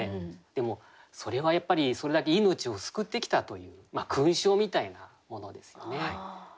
でもそれはやっぱりそれだけ命を救ってきたという勲章みたいなものですよね。